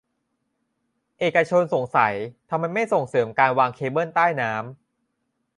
เอกชนสงสัยทำไมไม่ส่งเสริมการวางเคเบิลใต้น้ำ